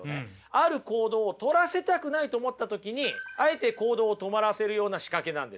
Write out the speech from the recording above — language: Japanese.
ある行動をとらせたくないと思った時にあえて行動を止まらせるような仕掛けなんですよ。